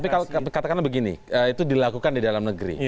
tapi kalau katakanlah begini itu dilakukan di dalam negeri